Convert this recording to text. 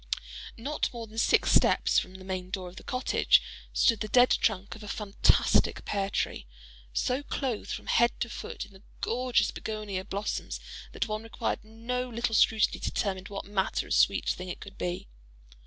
Not more than six steps from the main door of the cottage stood the dead trunk of a fantastic pear tree, so clothed from head to foot in the gorgeous bignonia blossoms that one required no little scrutiny to determine what manner of sweet thing it could be.